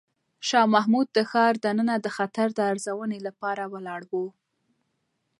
شاه محمود د ښار دننه د خطر د ارزونې لپاره ولاړ و.